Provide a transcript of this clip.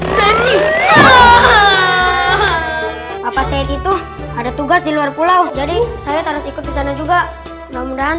saja itu ada tugas di luar pulau jadi saya tak ngekit sampai pada jugaobyandai temporal juga